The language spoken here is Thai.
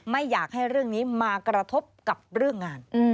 ไม่อยากให้เรื่องนี้มากระทบกับเรื่องงาน